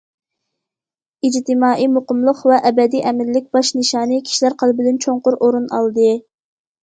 ئىجتىمائىي مۇقىملىق ۋە ئەبەدىي ئەمىنلىك باش نىشانى كىشىلەر قەلبىدىن چوڭقۇر ئورۇن ئالدى.